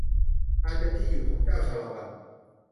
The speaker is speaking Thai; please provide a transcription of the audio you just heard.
อันเป็นที่อยู่ของเจ้าชาละวัน